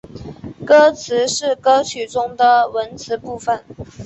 歌词是歌曲中的文词部分。